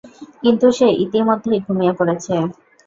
কিন্তু সে ইতিমধ্যেই ঘুমিয়ে পড়েছে।